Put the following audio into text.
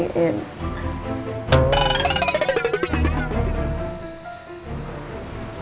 kamu gak mau ngebeliin